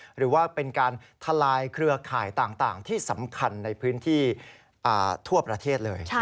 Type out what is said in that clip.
หรือว่าเป็นการทลายเครือข่ายต่างที่สำคัญในพื้นที่ทั่วประเทศเลย